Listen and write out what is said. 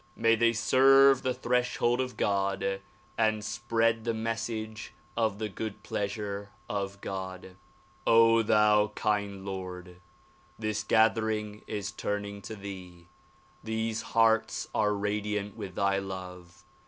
May they serve the threshold of God and spread the message of the good pleasure of God. thou kind Lord! This gathering is turning to thee. These hearts are radiant with thy love.